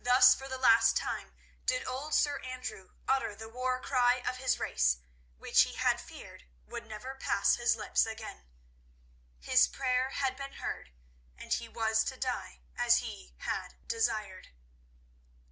_" Thus for the last time did old Sir Andrew utter the warcry of his race, which he had feared would never pass his lips again. His prayer had been heard, and he was to die as he had desired.